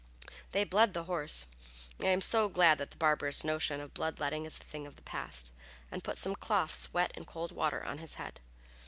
They bled the horse [I am so glad that the barbarous notion of blood letting is a thing of the past] and put some cloths wet in cold water on his head.